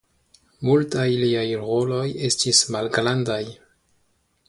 Multaj liaj roloj estis malgrandaj.